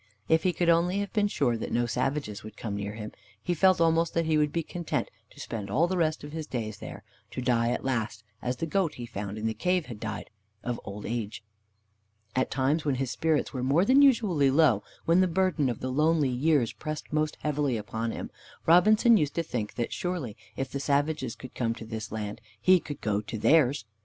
If he could only have been sure that no savages would come near him, he felt almost that he would be content to spend all the rest of his days there, to die at last, as the goat he found in the cave had died, of old age. At times, when his spirits were more than usually low, when the burden of the lonely years pressed most heavily upon him, Robinson used to think that surely if the savages could come to his land, he could go to theirs.